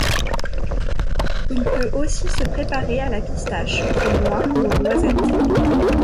Il peut aussi se préparer à la pistache, aux noix ou aux noisettes.